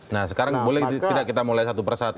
nah sekarang boleh tidak kita mulai satu persatu